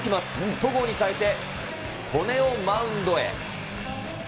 戸郷に代えて、戸根をマウンドへ。